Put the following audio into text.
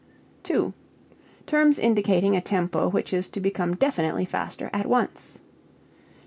Terms indicating a tempo which is to become definitely faster at once.